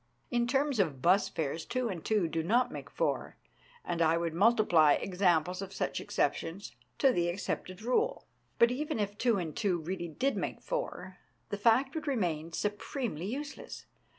In terms of 'bus fares, two and two do not make four, and I would multiply examples of such exceptions to the accepted rule. But even if two and two really did make four, the fact would remain supremely use less.